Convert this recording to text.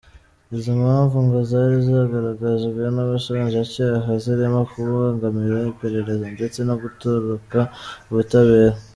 Izo mpamvu ngo zari zagaragajwe n'ubushinjacyaha zirimo kubangamira iperereza ndetse no gutoroka ubutabera.